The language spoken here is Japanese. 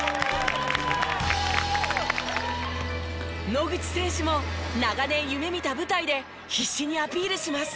野口選手も長年夢見た舞台で必死にアピールします。